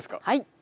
はい。